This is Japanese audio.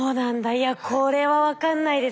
いやこれは分かんないですね。